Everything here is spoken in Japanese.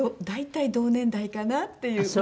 大体同年代かなっていう。